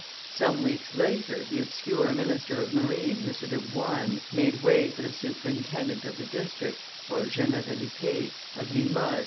Some weeks later, the obscure minister of marine, M. de Boynes, made way for the superintendent of the district (generalite) of Limoges, M.